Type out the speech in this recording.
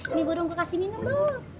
ini burung gua kasih minum lu